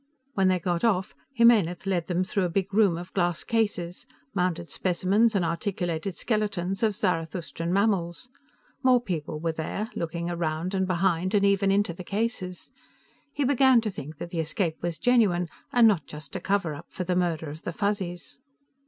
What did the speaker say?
When they got off Jimenez led them through a big room of glass cases mounted specimens and articulated skeletons of Zarathustran mammals. More people were there, looking around and behind and even into the cases. He began to think that the escape was genuine, and not just a cover up for the murder of the Fuzzies.